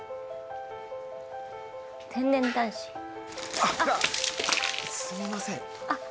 天然男子あっすみませんあっあっ